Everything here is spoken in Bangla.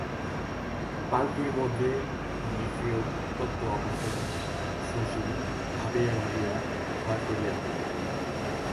পালকির মধ্যে নিক্রিয় উত্তপ্ত অবসর শশী ভাবিয়া ভাবিয়া ক্ষয় করিয়া ফেলে।